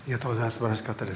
すばらしかったです。